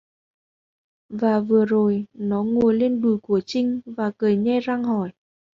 Và vừa rồi nó ngồi trên đùi của trinh và cười nhe răng hỏi